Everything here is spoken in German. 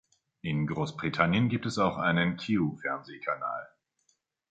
In Großbritannien gibt es auch einen Q-Fernsehkanal.